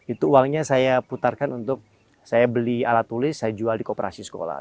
itu uangnya saya putarkan untuk saya beli alat tulis saya jual di koperasi sekolah